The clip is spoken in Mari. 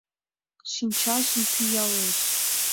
Шинчажым пӱялеш.